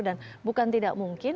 dan bukan tidak mungkin